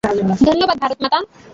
ধন্যবাদ, ভারত মাতা!